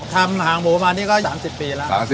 หางหมูมานี่ก็๓๐ปีแล้ว